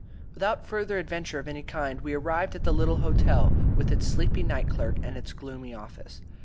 Without further adventure of any kind we arrived at the little hotel, with its sleepy night clerk and its gloomy office.